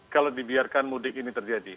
kalau dibiarkan mudik ini terjadi